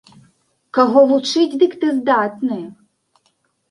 Каго вучыць, дык ты здатны!